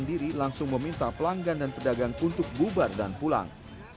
diri langsung meminta pelanggan dan pedagang untuk bubar dan pulang